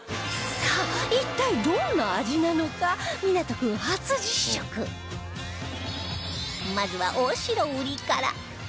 さあ一体どんな味なのかまずは大越うりから